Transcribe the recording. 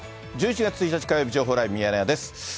１１月１日火曜日、情報ライブミヤネ屋です。